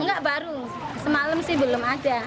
enggak baru semalam sih belum ada